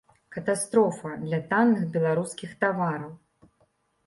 Катастрофа для танных беларускіх тавараў.